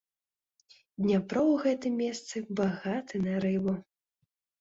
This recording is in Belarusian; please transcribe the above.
Дняпро ў гэтым месцы багаты на рыбу.